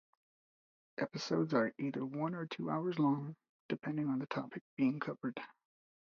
Episodes are either one or two hours long, depending on the topic being covered.